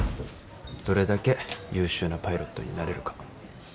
どれだけ優秀なパイロットになれるか。